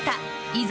いざ